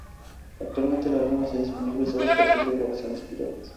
Actualmente, el álbum está disponible sólo a partir de grabaciones piratas.